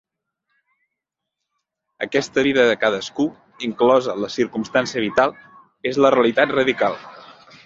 Aquesta vida de cadascú, inclosa la circumstància vital, és la realitat radical.